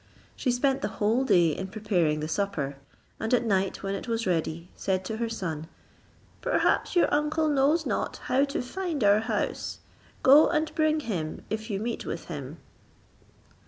She spent the whole day in preparing the supper; and at night when it was ready, said to her son, "Perhaps your uncle knows not how to find our house; go and bring him if you meet with him."